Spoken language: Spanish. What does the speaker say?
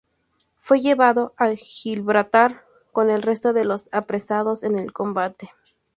Fue llevado a Gibraltar con el resto de los apresados en el combate.